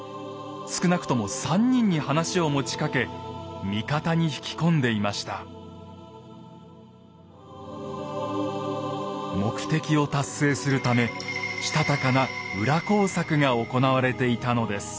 少なくとも３人に話を持ちかけ目的を達成するためしたたかな裏工作が行われていたのです。